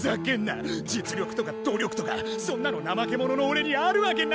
実力とか努力とかそんなのなまけ者のおれにあるわけないだろ！